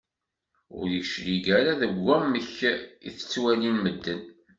Ur yeclig ara deg wamek i tettwalin medden.